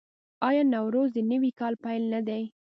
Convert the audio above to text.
آیا نوروز د نوي کال پیل نه دی؟